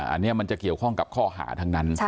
อันนี้มันจะเกี่ยวข้องกับข้อหาทั้งนั้น